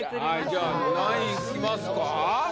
はいじゃあ何位いきますか？